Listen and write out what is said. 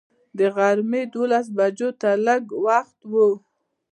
د غرمې دولس بجو ته لږ وخت و.